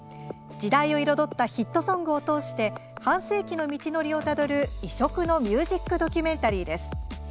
時代を彩ったヒットソングを通して半世紀の道のりをたどる異色のミュージックドキュメンタリーです。